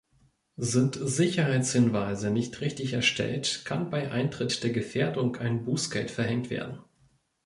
Sind Sicherheitshinweise nicht richtig erstellt, kann bei Eintritt der Gefährdung ein Bußgeld verhängt werden.